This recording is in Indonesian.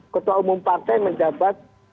ketua umum partai menjabat